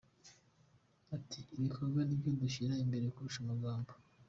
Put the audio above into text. Ati « ibikorwa nibyo dushyira imbere kurusha amagambo.